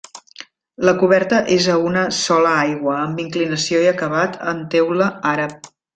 La coberta és a una sola aigua amb inclinació i acabat en teula àrab.